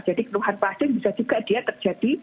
jadi keluhan pasien bisa juga dia terjadi